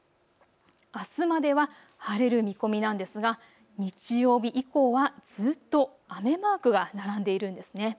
あすまでは晴れる見込みなんですが、日曜日以降はずっと雨マークが並んでいるんですね。